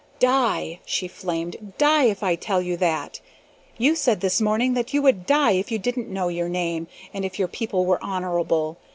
"Die!" she flamed. "Die, if I tell you that! You said this morning that you would die if you DIDN'T know your name, and if your people were honorable.